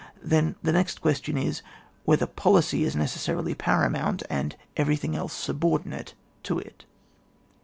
then the next question is, whether poliey is necessarily paramount, and everything else subor dinate to it.